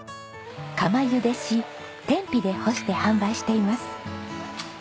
釜ゆでし天日で干して販売しています。